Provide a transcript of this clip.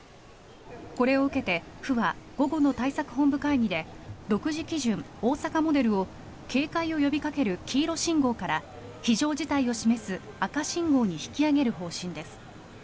これを受けて府は午後の対策本部会議で独自基準、大阪モデルで警戒を呼びかける黄色信号から非常事態を示す赤信号に引き上げる方針です。